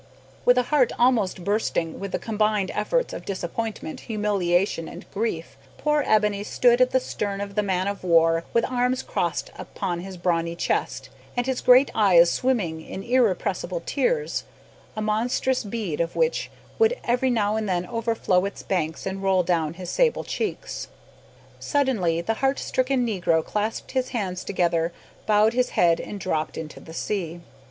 With a heart almost bursting from the combined effects of disappointment, humiliation, and grief, poor Ebony stood at the stern of the man of war, his arms crossed upon his brawny chest, and his great eyes swimming in irrepressible tears, a monstrous bead of which would every now and then overflow its banks and roll down his sable cheek. Suddenly the heart stricken negro clasped his hands together, bowed his head, and dropped into the sea!